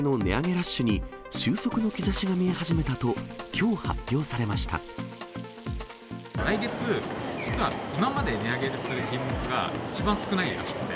ラッシュに収束の兆しが見え始めたと、きょう発表さ来月、実は今までで値上げする品目が一番少ないらしくて。